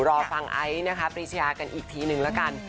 รอฟังไอซ์พรีเชียกันอีกทีนึงละกัน